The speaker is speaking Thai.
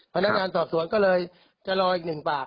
พนักงานสอบสวนก็เลยจะรออีกหนึ่งปาก